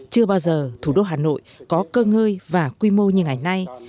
chưa bao giờ thủ đô hà nội có cơ ngơi và quy mô như ngày nay